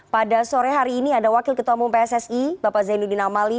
pada sore hari ini ada wakil ketua umum pssi bapak zainuddin amali